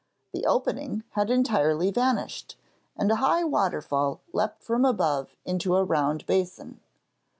The opening had entirely vanished, and a high waterfall leapt from above into a round basin.